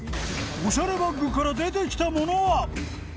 オシャレバッグから出てきたものは